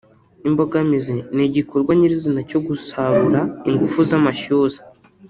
imbogamizi n’igikorwa nyirizina cyo gusarura ingufu z’amashyuza